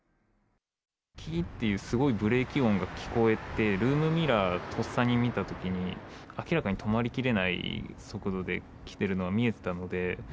きーっていうすごいブレーキ音が聞こえて、ルームミラーとっさに見たときに、明らかに止まりきれない速度で来ているのが見えていたので。